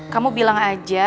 kamu bilang aja